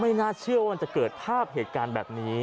น่าเชื่อว่ามันจะเกิดภาพเหตุการณ์แบบนี้